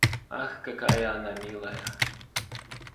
Ах, какая она милая!